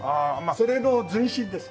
それの前身です。